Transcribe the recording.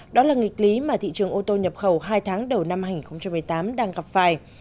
đó là nghịch lý mà thị trường ô tô nhập khẩu hai tháng đầu năm hai nghìn một mươi tám đang gặp phải